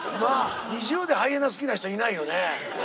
ＮｉｚｉＵでハイエナ好きな人いないよね？